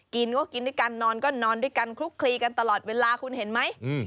กินก็กินด้วยกันนอนก็นอนด้วยกันคลุกคลีกันตลอดเวลาคุณเห็นไหม